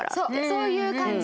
そういう感じ。